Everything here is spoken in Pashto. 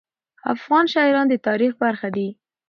افغان شاعران د تاریخ برخه دي.